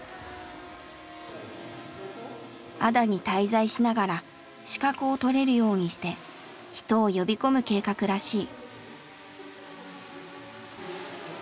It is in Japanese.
安田に滞在しながら資格を取れるようにして人を呼び込む計画らしい。